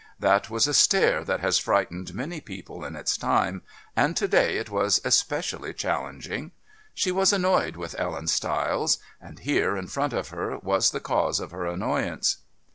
That was a stare that has frightened many people in its time, and to day it was especially challenging. She was annoyed with Ellen Stiles, and here, in front of her, was the cause of her annoyance.